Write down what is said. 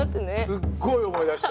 すっごい思い出した。